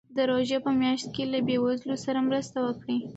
د روژې په میاشت کې له بېوزلو سره مرسته وکړئ.